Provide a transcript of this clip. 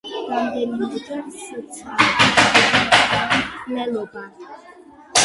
რამდენიმეჯერ სცადა თვითმკვლელობა.